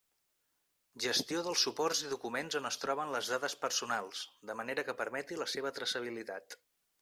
Gestió dels suports i documents on es troben les dades personals de manera que permeti la seva traçabilitat.